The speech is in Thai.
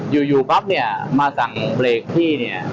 อยู่ปั๊บเนี่ยมาสั่งเบรกพี่เนี่ย